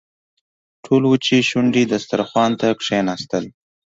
ټول وچې شونډې دسترخوان ته کښېناستل.